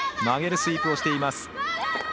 曲げるスイープをしています。